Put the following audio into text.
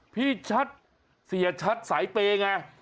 พี่ชัดเสียชัดสายเปย์ไง